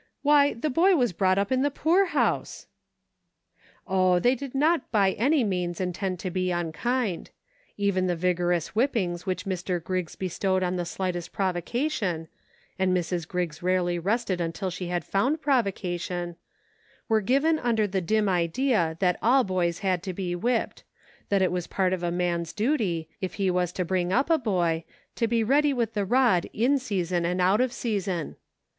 Why, the boy was brought up in the poorhouse ! Oh ! they did not by any means intend to be unkind. Even the vigorous whippings which Mr. Griggs bestowed on the slightest provocation, — and Mrs. Griggs rarely rested until she had found provocation, — were given under the dim idea that all boys had to be whipped ; that it was part of a 32 IN SEARCH OF HOME. man's duty, if he was to bring up a boy, to be ready with the rod in season and out of season.